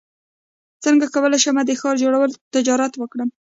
څنګه کولی شم د ښارۍ جوړولو تجارت وکړم